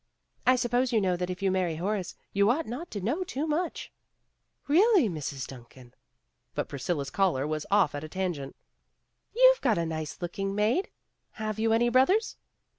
I suppose you know that if you marry Horace, you ought not to know too much. '' "Really, Mrs. Duncan " But Priscilla 's caller was off at a tangent. "You've got a nice looking maid! Have you any brothers?"